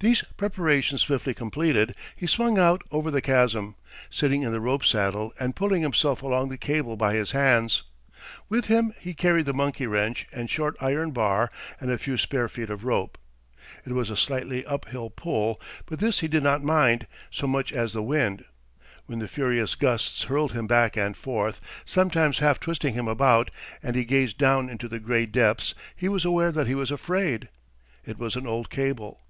These preparations swiftly completed, he swung out over the chasm, sitting in the rope saddle and pulling himself along the cable by his hands. With him he carried the monkey wrench and short iron bar and a few spare feet of rope. It was a slightly up hill pull, but this he did not mind so much as the wind. When the furious gusts hurled him back and forth, sometimes half twisting him about, and he gazed down into the gray depths, he was aware that he was afraid. It was an old cable.